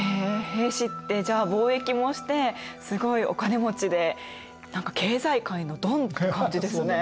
平氏ってじゃあ貿易もしてすごいお金持ちで何か経済界のドンって感じですね。